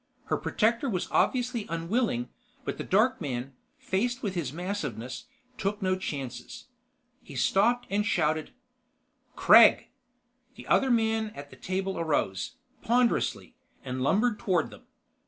Her protector was obviously unwilling, but the dark man, faced with his massiveness, took no chances. He stopped and shouted: "Kregg!" The other man at the table arose, ponderously, and lumbered toward them.